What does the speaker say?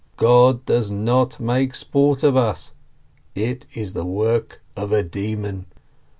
God does not make sport of us — it is the work of a demon."